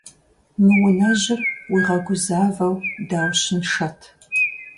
Мы унэжьыр уигъэгузавэу даущыншэт.